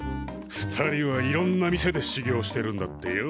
２人はいろんな店でしゅぎょうしてるんだってよ。